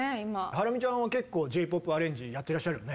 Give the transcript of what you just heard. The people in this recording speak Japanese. ハラミちゃんは結構Ｊ−ＰＯＰアレンジやってらっしゃるよね。